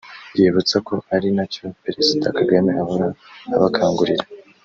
yibutsa ko ari na cyo Perezida Kagame ahora abakangurira